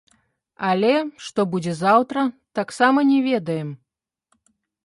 Але, што будзе заўтра, таксама не ведаем.